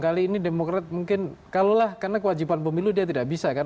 kali ini demokrat mungkin kalaulah karena kewajiban pemilu dia tidak bisa kan